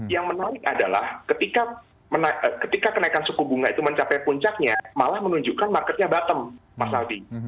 yang menarik adalah ketika kenaikan suku bunga itu mencapai puncaknya malah menunjukkan marketnya bottom mas aldi